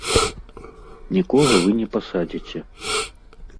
Нікога вы не пасадзіце.